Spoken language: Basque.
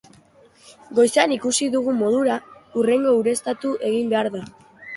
Goizean ikusi dugun modura, hurrengo ureztatu egin behar da.